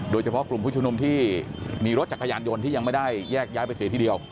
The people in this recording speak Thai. โดยเฉพาะกลุ่มผู้ชุมนุมที่มีรถจักรยานยนต์ที่ยังไม่ได้แยกย้ายไปเสียทีเดียว